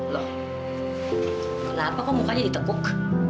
loh kenapa kok mukanya ditekuk